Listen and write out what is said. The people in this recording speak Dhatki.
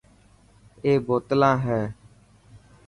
اي بوتلنا هي .